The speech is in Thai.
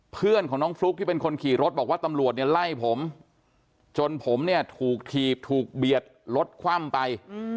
เพื่อนของน้องฟลุ๊กที่เป็นคนขี่รถบอกว่าตำรวจเนี่ยไล่ผมจนผมเนี่ยถูกถีบถูกเบียดรถคว่ำไป